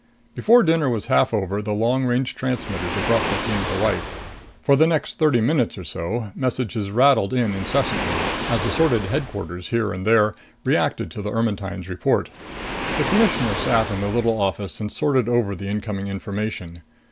Before dinner was half over, the long range transmitters abruptly came to life. For the next thirty minutes or so, messages rattled in incessantly, as assorted Headquarters here and there reacted to the Ermetyne's report. The Commissioner sat in the little office and sorted over the incoming information.